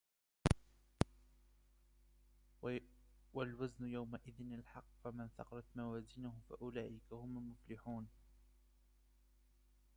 والوزن يومئذ الحق فمن ثقلت موازينه فأولئك هم المفلحون